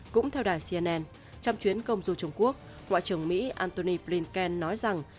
cũng theo đài cnn trong chuyến công du trung quốc ngoại trưởng mỹ antony blinken nói rằng